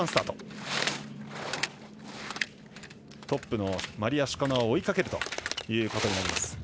トップのマリア・シュカノワを追いかけるということになります。